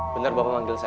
bentar bapak manggil saya